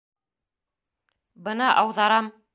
Бына ауҙарам!